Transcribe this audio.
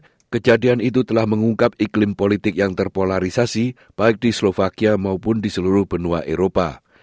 karena kejadian itu telah mengungkap iklim politik yang terpolarisasi baik di slovakia maupun di seluruh benua eropa